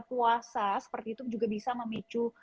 puasa seperti itu juga bisa memicu